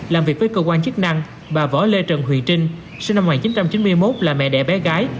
làm việc với cơ quan chức năng bà võ lê trần huy trinh sinh năm một nghìn chín trăm chín mươi một là mẹ đẻ bé gái